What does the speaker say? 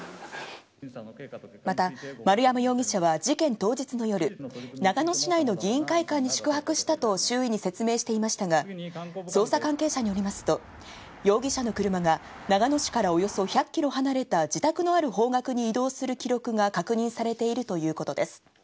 また、丸山容疑者は事件当日の夜、長野市内の議員会館に宿泊したと周囲に説明していましたが、捜査関係者によりますと、容疑者の車が長野市からおよそ１００キロ離れた自宅のある方角に移動する記録が確認されているということです。